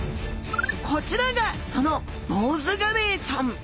こちらがそのボウズガレイちゃん。